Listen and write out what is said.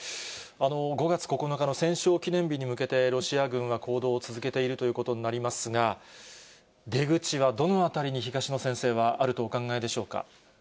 ５月９日の戦勝記念日に向けて、ロシア軍は行動を続けているということになりますが、出口はどのあたりに東野先生はあるとお考えでしょうか。